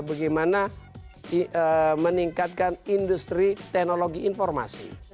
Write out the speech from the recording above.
bagaimana meningkatkan industri teknologi informasi